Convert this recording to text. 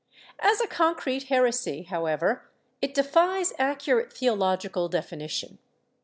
As a concrete heresy, however, it defies accurate theo logical definition.